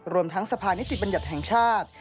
รวมทั้งสภานิติบัญญัติแห่งชาติ